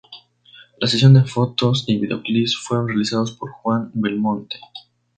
La sesión de fotos y videoclips fueron realizados por Juan Belmonte.